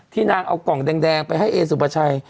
นางเอากล่องแดงไปให้เอสุภาชัย